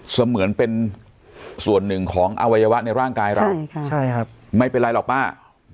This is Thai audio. เสมือนเป็นส่วนหนึ่งของอวัยวะในร่างกายเราไม่เป็นไรหรอกป้า